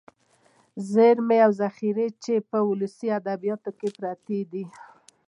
ذېرمې او ذخيرې چې په ولسي ادبياتو کې پراتې دي.